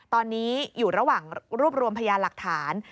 ตอนนี้อยู่ระหว่างรวบรวมพยานหลักฐาน